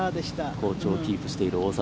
好調をキープしている大里。